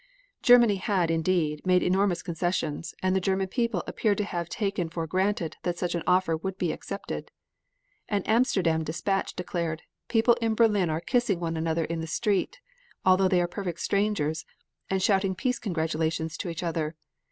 Germany had, indeed, made enormous concessions, and the German people appeared to have taken for granted that such an offer would be accepted. An Amsterdam despatch declared: "People in Berlin are kissing one another in the street, though they are perfect strangers and shouting peace congratulations to each other.